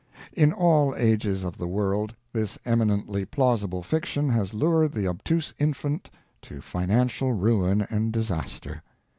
In all ages of the world this eminently plausible fiction has lured the obtuse infant to financial ruin and disaster.